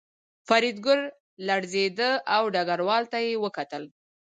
فریدګل لړزېده او ډګروال ته یې وکتل